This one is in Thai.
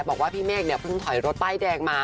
บอกว่าพี่เมฆเนี่ยเพิ่งถอยรถป้ายแดงมา